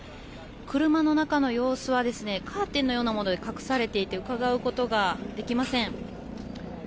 車の中の様子はカーテンのようなもので隠されていてうかがうことができません。